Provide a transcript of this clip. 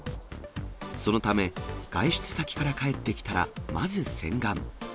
そのため、外出先から帰ってきたら、まず洗顔。